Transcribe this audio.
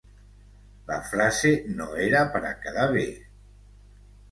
La frase no era per a quedar bé.